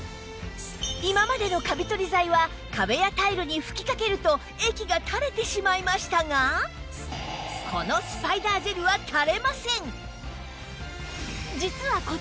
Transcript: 今までのカビ取り剤は壁やタイルに吹きかけると液が垂れてしまいましたがこのスパイダージェルは垂れません！